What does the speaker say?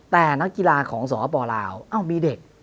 แต่นักกีฬาของสปลาวมีเด็ก